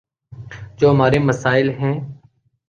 جو ہمارے مسائل ہیں۔